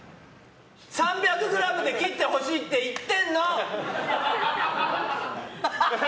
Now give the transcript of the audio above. ３００ｇで切ってほしいって言ってんの！